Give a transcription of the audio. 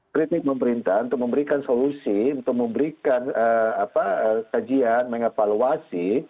kritik pemerintah untuk memberikan solusi untuk memberikan sajian meng evaluasi